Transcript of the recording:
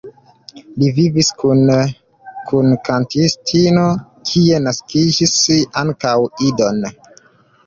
Li vivis kune kun kantistino, kie naskis ankaŭ idon.